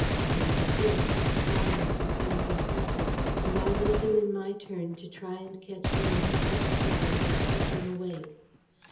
When they cease, the silence becomes impressive and I listen in my turn to try and catch the indistinct sounds that keep them awake.